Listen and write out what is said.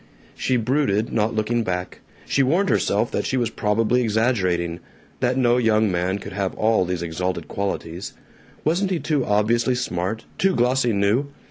She brooded, not looking back. She warned herself that she was probably exaggerating; that no young man could have all these exalted qualities. Wasn't he too obviously smart, too glossy new?